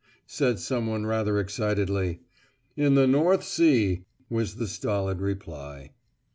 said someone rather excitedly. 'In the North Sea,' was the stolid reply.